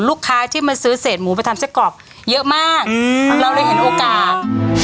ลูกค้าที่มาซื้อเศษหมูไปทำไส้กรอกเยอะมากอืมเราเลยเห็นโอกาส